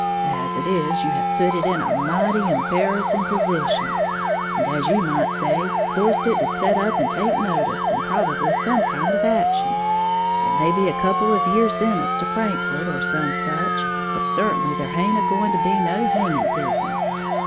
As it is, you have put it in a mighty embarrassing position, and, as you might say, forced it to set up and take notice, and probably some kind of action, it may be a couple of year' sentence to Frankfort, or some such, but certainly there haint a going to be no hanging business.